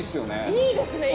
いいですね。